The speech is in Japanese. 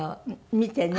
見てね。